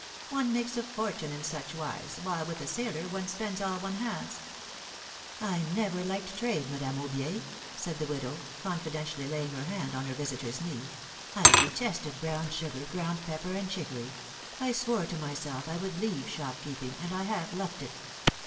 One makes a fortune in such wise, while with a sailor one spends all one has !" I never liked trade, Madame Aubier," said the widow, confidentially laying her hand on her visitor's knee. I detested brown sugar, ground pepper and chicory ; I swore to myself I would leave shop keeping, and I have left it."